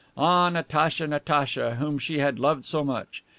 Ah, Natacha, Natacha, whom she had loved so much!